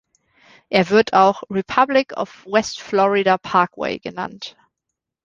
Er wird auch "Republic of West Florida Parkway" genannt.